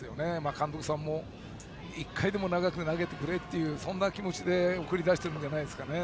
監督さんも１回でも長く投げてくれというそんな気持ちで送り出しているんじゃないですか。